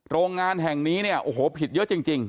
โรงงานแห่งนี้เนี่ยโอ้โหผิดเยอะจริง